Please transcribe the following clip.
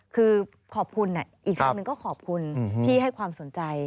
คือขอบคุณอีกทางหนึ่งก็ขอบคุณที่ให้ความสนใจ